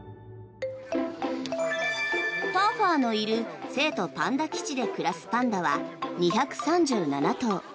ファーファーのいる成都パンダ基地で暮らすパンダは２３７頭。